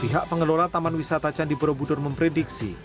pihak pengelola taman wisata candi borobudur memprediksi